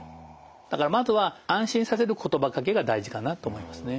だからまずは安心させる言葉かけが大事かなと思いますね。